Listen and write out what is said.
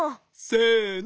せの。